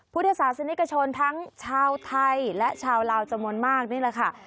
พุทธศาสนิกชนทั้งชาวไทยและชาวลาวจำนวนมากนี่แหละค่ะ